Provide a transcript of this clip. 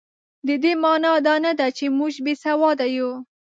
د دې مانا دا نه ده چې موږ بې سواده یو.